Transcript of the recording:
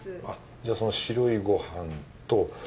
じゃあその白いご飯と。